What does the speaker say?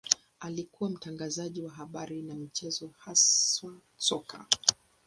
Alikuwa mtangazaji wa habari na michezo, haswa soka.